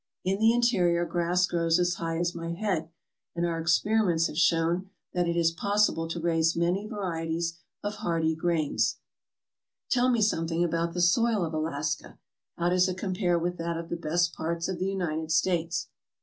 In the interior grass grows as high as my head, and our experi ments have shown that it is possible to raise many va rieties of hardy grains/' "Tell me something about the soil of Alaska. How does it compare with that of the best parts of the United States?"